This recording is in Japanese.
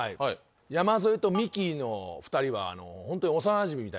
山添とミキの２人はホントに。